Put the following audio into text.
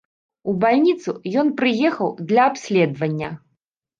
У бальніцу ён прыехаў для абследавання.